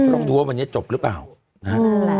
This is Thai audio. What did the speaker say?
ต้องดูว่าวันนี้จบแล้วหรือไม่